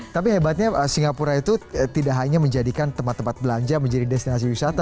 tapi hebatnya singapura itu tidak hanya menjadikan tempat tempat belanja menjadi destinasi wisata